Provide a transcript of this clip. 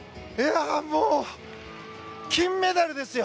金メダルですよ。